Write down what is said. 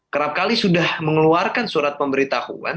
kerap kali sudah mengeluarkan surat pemberitahuan